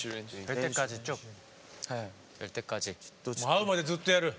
合うまでずっとやる？